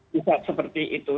bisa seperti itu